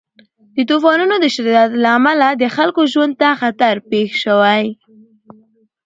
د طوفانونو د شدت له امله د خلکو ژوند ته خطر پېښ شوی.